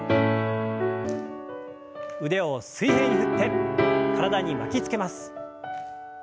腕を水平に振って体に巻きつけます。